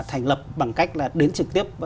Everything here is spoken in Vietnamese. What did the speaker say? thành lập bằng cách là đến trực tiếp